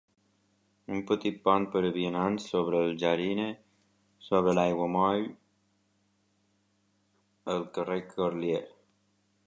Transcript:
Un petit pont per a vianants sobre el Jarine sobre l'aiguamoll al carrer Corlier.